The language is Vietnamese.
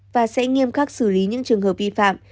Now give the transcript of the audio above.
và sẽ nghiêm khắc xử lý những trường hợp vi phạm